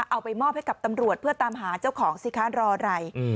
เอาไปมอบให้กับตำรวจเพื่อตามหาเจ้าของศิษย์ค้ารอไรอืม